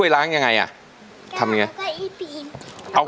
ไม่แตก